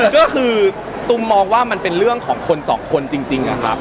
ก็คือตุ้มมองว่ามันเป็นเรื่องของคนสองคนจริงนะครับ